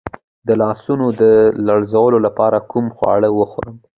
د لاسونو د لرزې لپاره کوم خواړه وخورم؟